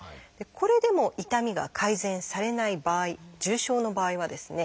これでも痛みが改善されない場合重症の場合はですね